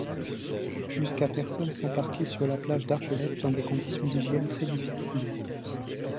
Jusqu'à personnes sont parquées sur la plage d'Argelès dans des conditions d'hygiène très difficiles.